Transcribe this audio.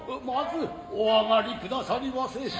まずお上がり下さりませ。